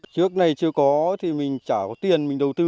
trước này chưa có thì mình trả có tiền mình đầu tư